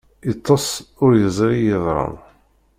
Yeṭṭes ur yeẓri i yeḍran.